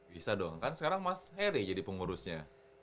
bisa dong kan sekarang mas heri jadi pengurusnya